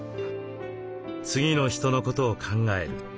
次の人のことを考える。